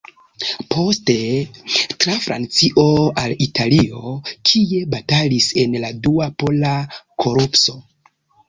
Poste tra Francio al Italio, kie batalis en la Dua Pola Korpuso.